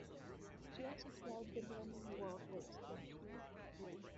She also chaired the German War Graves Commission.